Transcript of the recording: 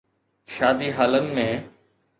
شادي هالن ۾.